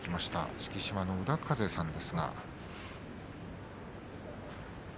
敷島の浦風さんです。